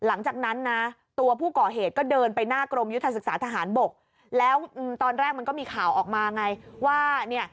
หลังจากนั้นนะตัวผู้ก่อเหตุก็เดินไปหน้ากรมยุทธศึกษาทหารบกแล้วตอนแรกมันก็มีข่าวออกมาไงว่าเนี่ย